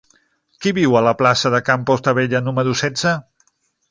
Qui viu a la plaça de Can Portabella número setze?